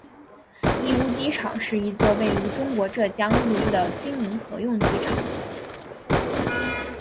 义乌机场是一座位于中国浙江义乌的军民合用机场。